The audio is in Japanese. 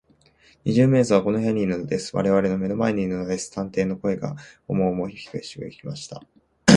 「二十面相はこの部屋にいるのです。われわれの目の前にいるのです」探偵の声がおもおもしくひびきました。